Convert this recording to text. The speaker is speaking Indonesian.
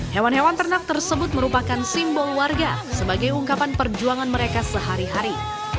hewan hewan ternak tersebut merupakan simbol warga sebagai ungkapan perjuangan mereka sehari hari